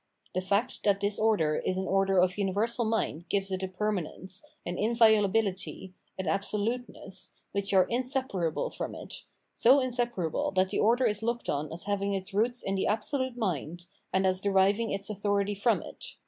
The fact that this order is an order of universal mind gives it a perma nence, an inviolability, an absoluteness, which are inseparable from it, so inseparable that the order is looked on as having its roots in the Absolute Mind, and as deriving its authority from it.